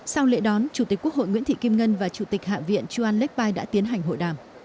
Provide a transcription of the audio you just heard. sau lễ đón chủ tịch quốc hội nguyễn thị kim ngân và chủ tịch hạ viện chuan lek pai đã tiến hành hội đàm